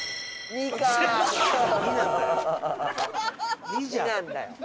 「２」なんだよ。